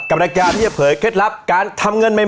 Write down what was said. กับรายการเพื่อเคล็ดลับการทำเงินใหม่